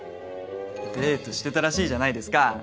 デートしてたらしいじゃないですか。